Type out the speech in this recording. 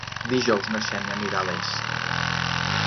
Dijous na Xènia anirà a Les.